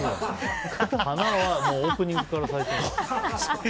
花はオープニングから咲いてます。